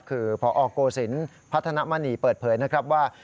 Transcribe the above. คือพอโกศิลป์พัฒนมณีเปิดเผยนะครับว่า